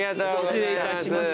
失礼いたします。